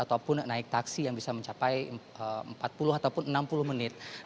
ataupun naik taksi yang bisa mencapai empat puluh ataupun enam puluh menit